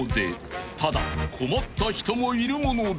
ただ困った人もいるもので］